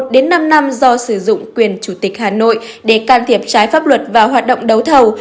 đến năm năm do sử dụng quyền chủ tịch hà nội để can thiệp trái pháp luật vào hoạt động đấu thầu